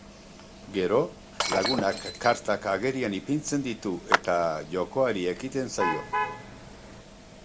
Gero, lagunak kartak agerian ipintzen ditu, eta jokoari ekiten zaio.